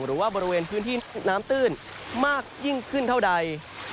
หรือว่าบริเวณพื้นที่น้ำตื้นมากยิ่งขึ้นเท่าใด